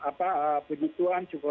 apa puji tuhan cukup